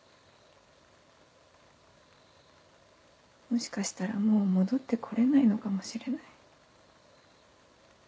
もしかしたらもう戻って来れないのかもしれない。